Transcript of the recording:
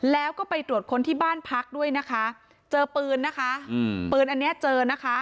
แล้วก็ไปตรวจค้นที่บ้านพักด้วยนะคะเจอปืนนะคะอืมปืนอันนี้เจอนะคะ